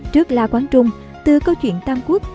trước la quán trung từ câu chuyện tam quốc